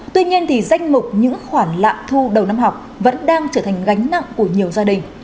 tuy nhiên danh mục những khoản lạm thu đầu năm học vẫn đang trở thành gánh nặng của nhiều gia đình